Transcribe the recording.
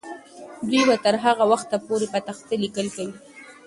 دوی به تر هغه وخته پورې په تخته لیکل کوي.